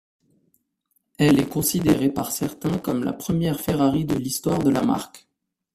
Elle est considérée par certains comme la première Ferrari de l'histoire de la marque.